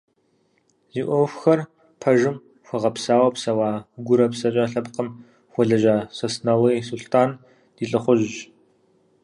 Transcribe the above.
Зи ӏуэхухэр пэжым хуэгъэпсауэ псэуа, гурэ псэкӏэ лъэпкъым хуэлэжьа Сосналы Сулътӏан ди лӏыхъужьщ.